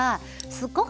すごく。